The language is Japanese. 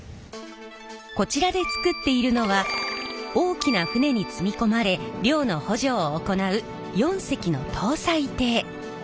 こちらで作っているのは大きな船に積み込まれ漁の補助を行う４隻の搭載艇。